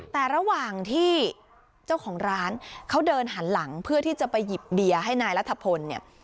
แต่ระหว่างที่เจ้าของร้านเขาเดินหันหลังเพื่อที่จะไปหยิบเบียร์ให้นายรัฐพลเนี่ย